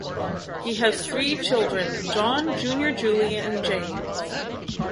He has three children, John Junior Julie, and James.